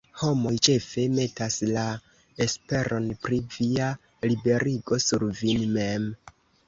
Homoj ĉefe metas la esperon pri via liberigo sur vin mem.